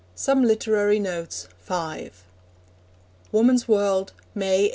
SOME LITERARY NOTES V (Woman's World, May 1889.)